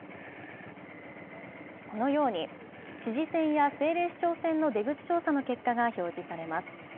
このように、知事選や政令市長選の出口調査の結果が表示されます。